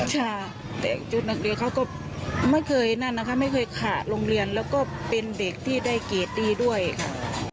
คือเราหาให้ลูกหลานเขามาชุดนักเรียนแล้วก็เป็นเด็กที่ได้เกตตีด้วยค่ะ